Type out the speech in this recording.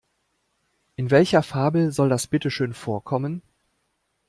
In welcher Fabel soll das bitteschön vorkommen?